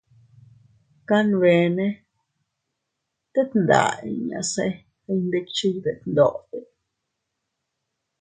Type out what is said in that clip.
Kanbene tet nda inña se iyndikchiy detndote.